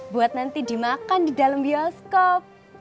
buat nanti dimakan didalam bioskop